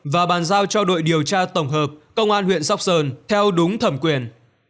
và bàn giao cho đội điều tra tổng hợp công an huyện sóc sơn theo đúng thẩm quyền